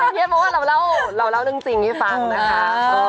ไม่เครียดเพราะเราเล่าเรื่องจริงฟังนะคะ